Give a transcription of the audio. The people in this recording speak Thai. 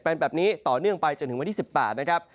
เป็นแบบนี้ต่อเนื่องไปจนถึงวันที่๑๘นะครับ